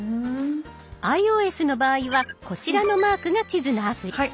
ｉＯＳの場合はこちらのマークが地図のアプリ。